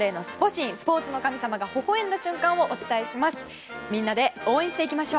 神スポーツの神様がほほ笑んだ瞬間をお伝えしていきます。